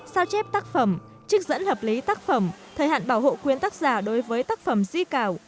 sao chép tác phẩm trích dẫn hợp lý tác phẩm thời hạn bảo hộ quyền tác giả đối với tác phẩm di cảo